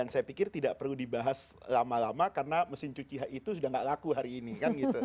saya pikir tidak perlu dibahas lama lama karena mesin cuci itu sudah tidak laku hari ini kan gitu